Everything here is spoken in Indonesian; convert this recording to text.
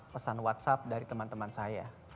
pesan whatsapp dari teman teman saya